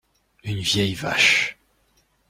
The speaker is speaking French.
Une vieille vache.